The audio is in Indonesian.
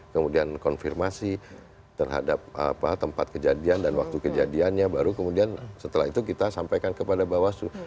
kemudian konfirmasi terhadap tempat kejadian dan waktu kejadiannya baru kemudian setelah itu kita sampaikan kepada bawaslu